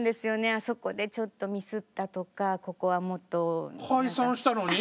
あそこでちょっとミスったとかここはもっと。解散したのに？